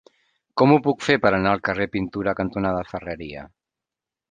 Com ho puc fer per anar al carrer Pintura cantonada Ferreria?